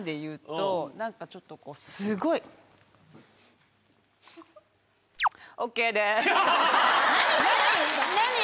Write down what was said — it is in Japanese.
何かちょっとすごい。何？